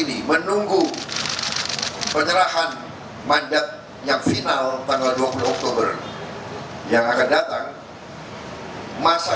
ini menunggu penyerahan mandat yang final tanggal dua puluh oktober yang akan datang masa